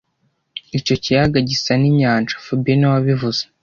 Icyo kiyaga gisa ninyanja fabien niwe wabivuze